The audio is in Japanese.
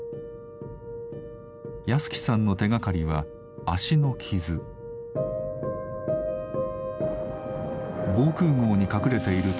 保喜さんの手がかりは防空壕に隠れている時